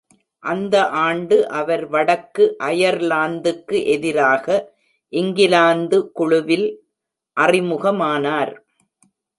அந்த ஆண்டு அவர் வடக்கு அயர்லாந்துக்கு எதிராக இங்கிலாந்து குழுவில் அறிமுகமானார்.